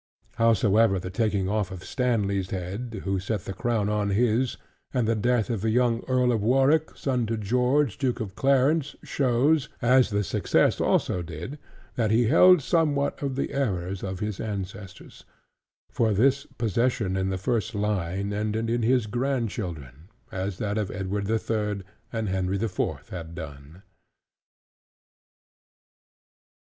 Howsoever the taking off of Stanley's head, who set the Crown on his, and the death of the young Earl of Warwick, son to George, Duke of Clarence, shows, as the success also did, that he held somewhat of the errors of his ancestors; for his possession in the first line ended in his grandchildren, as that of Edward the Third and Henry the Fourth had done.